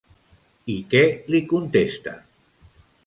I què li contesta?